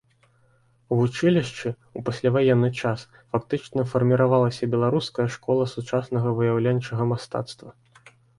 У вучылішчы, у пасляваенны час, фактычна фарміравалася беларуская школа сучаснага выяўленчага мастацтва.